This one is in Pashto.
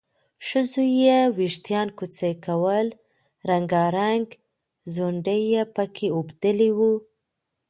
ښځو یې وېښتان کوڅۍ کول، رنګارنګ ځونډي یې پکې اوبدلي وو